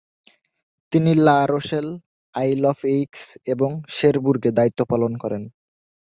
তিনি La Rochelle, Isle of Aix এবং শেরবুর্গে দায়িত্ব পালন করেন।